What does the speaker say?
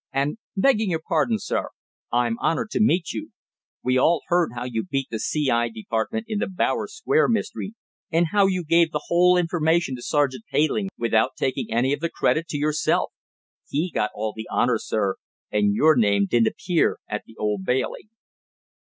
"And begging your pardon, sir, I'm honoured to meet you. We all heard how you beat the C. I. Department in the Bowyer Square Mystery, and how you gave the whole information to Sergeant Payling without taking any of the credit to yourself. He got all the honour, sir, and your name didn't appear at the Old Bailey."